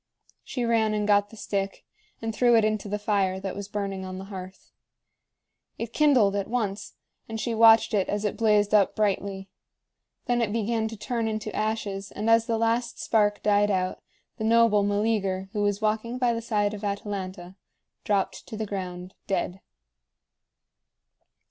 She ran and got the stick and threw it into the fire that was burning on the hearth. It kindled at once, and she watched it as it blazed up brightly. Then it began to turn into ashes, and as the last spark died out, the noble Meleager, who was walking by the side of Atalanta, dropped to the ground dead.